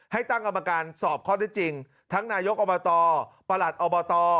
ตั้งกรรมการสอบข้อได้จริงทั้งนายกอบตประหลัดอบต